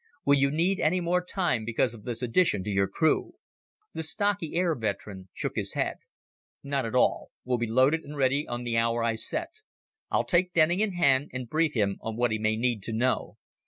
Will you need any more time because of this addition to your crew?" The stocky air veteran shook his head. "Not at all. We'll be loaded and ready on the hour I set. I'll take Denning in hand and brief him on what he may need to know.